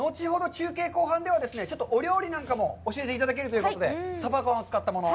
中継後半ではお料理なんかも教えていただけるということで、サバ缶を使ったもの。